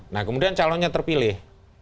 nah kemudian calonnya terpilih